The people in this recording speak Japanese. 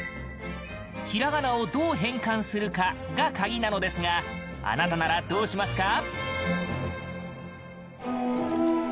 ひらがなをどう変換するかがカギなのですがあなたならどうしますか？